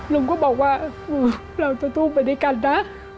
ลุงก็บอกว่าเราจะสู้ไปด้วยกันนะ